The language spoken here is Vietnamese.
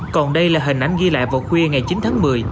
còn đây là hình ảnh ghi lại vào khuya ngày chín tháng một mươi